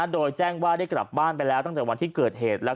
โดยแจ้งว่าได้กลับบ้านไปแล้วตั้งแต่วันที่เกิดเหตุ